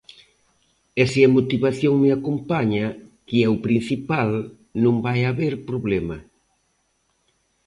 E se a motivación me acompaña, que é o principal, non vai haber problema.